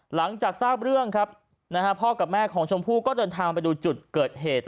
หลังจากทราบเรื่องครับนะฮะพ่อกับแม่ของชมพู่ก็เดินทางไปดูจุดเกิดเหตุ